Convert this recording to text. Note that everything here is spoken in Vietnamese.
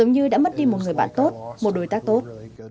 như một người bạn tốt một đối tác tốt